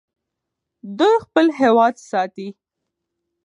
دوی خپل هېواد ساتي.